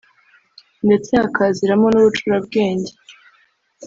ndetse hakaziramo n’ubucurabwenge